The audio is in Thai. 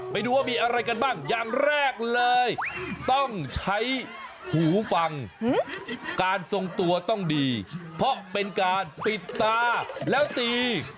ไปดูว่ามีอะไรกันบ้างอย่างแรกเลยต้องใช้หูฟังการทรงตัวต้องดีเพราะเป็นการปิดตาแล้วตี